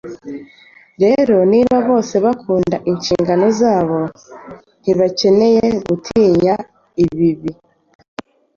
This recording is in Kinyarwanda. Rero, niba bose bakora inshingano zabo, ntibakeneye gutinya ibibi.